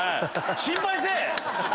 心配せえ！